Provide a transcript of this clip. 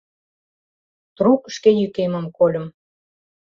Трук шке йӱкемым кольым.